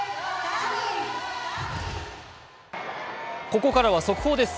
ここからは速報です。